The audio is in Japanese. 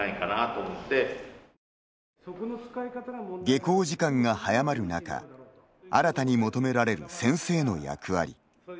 下校時間が早まる中新たに求められる先生の役割。